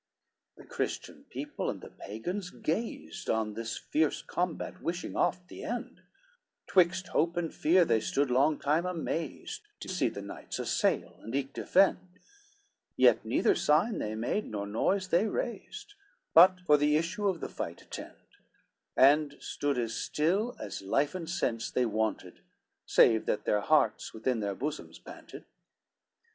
XLIX The Christian people and the Pagans gazed, On this fierce combat wishing oft the end, Twixt hope and fear they stood long time amazed, To see the knights assail, and eke defend, Yet neither sign they made, nor noise they raised, But for the issue of the fight attend, And stood as still, as life and sense they wanted, Save that their hearts within their bosoms panted.